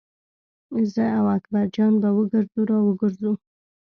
زه او اکبر جان به وګرځو را وګرځو.